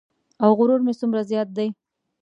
او غرور مې څومره زیات دی.